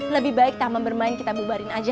lebih baik taman bermain kita bubarin aja